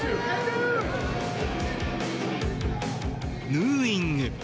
ヌーイング。